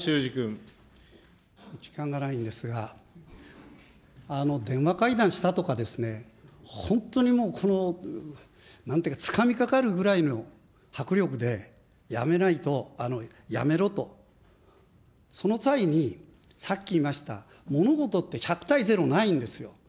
時間がないんですが、電話会談したとかですね、本当にもう、このなんていうか、つかみかかるぐらいの迫力でやめないと、やめろと、その際にさっき言いました、物事って１００対０ないんですよ。